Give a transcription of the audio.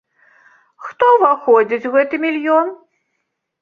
Хто ўваходзіць у гэты мільён?